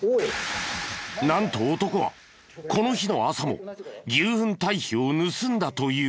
なんと男はこの日の朝も牛ふん堆肥を盗んだという。